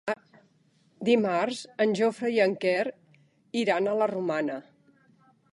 Dimarts en Jofre i en Quer iran a la Romana.